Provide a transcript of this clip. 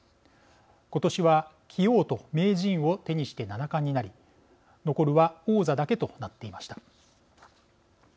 今年は棋王と名人を手にして七冠になり残るは王座だけとなっていました。